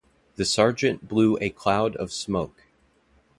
The sergeant blew a cloud of smoke.